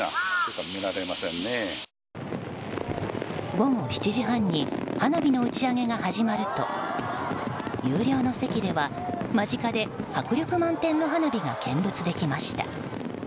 午後７時半に花火の打ち上げが始まると有料の席では、間近で迫力満点の花火が見物できました。